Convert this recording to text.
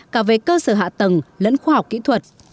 cả về cơ sở hạ tầng lẫn khoa học kỹ thuật